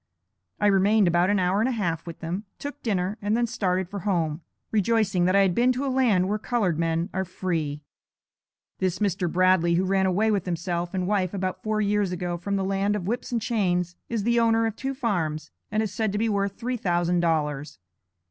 I remained about an hour and a half with them, took dinner, and then started for home, rejoicing that I had been to a land where colored men are free. This Mr. Bradley, who ran away with himself and wife about four years ago from the land of whips and chains, is the owner of two farms, and is said to be worth three thousand dollars.